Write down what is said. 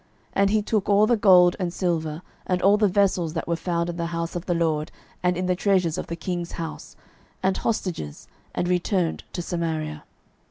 12:014:014 And he took all the gold and silver, and all the vessels that were found in the house of the LORD, and in the treasures of the king's house, and hostages, and returned to Samaria.